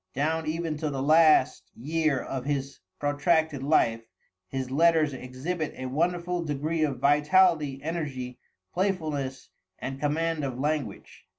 Down even to the last year of his protracted life, his letters exhibit a wonderful degree of vitality, energy, playfulness, and command of language.